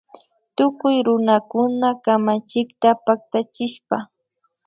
Tukuy runakuna kamachikta paktachishpa